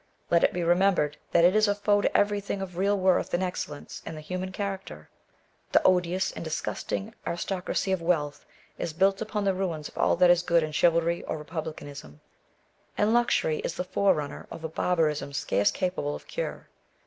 Let it be remembered that it is a foe to every thing of real worth and excellence in the human character. The odious and disgusting aristoc racy of wealth, is built upon the ruins of all that is good in chivalry or republicanism ; and luxury is the forerunner of a barbarism scarce capable of cure.